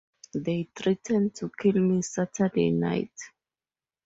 They threatened to kill me Saturday night.